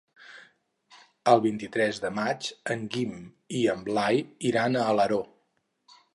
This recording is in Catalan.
El vint-i-tres de maig en Guim i en Blai iran a Alaró.